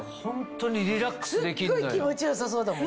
すっごい気持ち良さそうだもん。